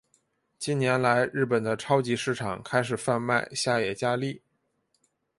近年来日本的超级市场开始贩卖下野家例。